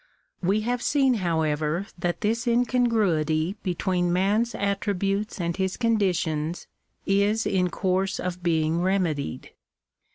We have seen, however, that this incongruity between man's attributes and his conditions is in course of being remedied.